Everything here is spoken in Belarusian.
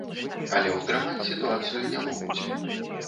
Але ўтрымаць сітуацыю не могуць.